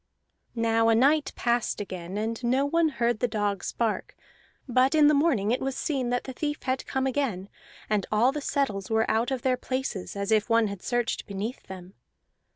Now a night passed again, and no one heard the dogs bark; but in the morning it was seen that the thief had come again, and all the settles were out of their places, as if one had searched beneath them.